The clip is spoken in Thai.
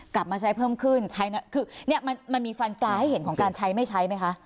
กลับมาใช้เพิ่มขึ้นใช้นะคือเนี่ยมันมีฟันปลาให้เห็นของการใช้ไม่ใช้ไหมคะ